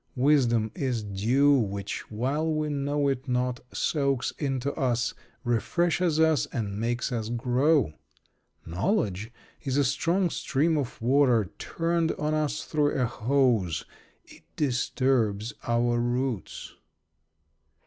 Wisdom is dew, which, while we know it not, soaks into us, refreshes us, and makes us grow. Knowledge is a strong stream of water turned on us through a hose. It disturbs our roots.